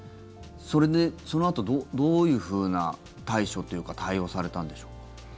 それで、そのあとどういうふうな対処というか対応をされたのでしょうか。